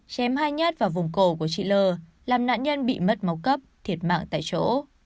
chém hai nhát vào vùng cổ của chị l làm nạn nhân bị mất máu cấp thiệt mạng tại chỗ